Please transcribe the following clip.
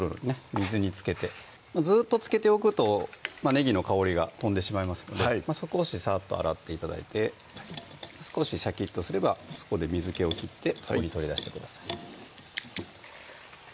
水につけてずっとつけておくとねぎの香りが飛んでしまいますので少しさっと洗って頂いて少しシャキッとすればそこで水気を切ってここに取り出してください